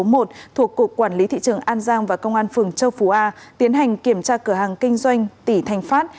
thuộc cục quản lý thị trường an giang và công an phường châu phú a tiến hành kiểm tra cửa hàng kinh doanh tỉ thành phát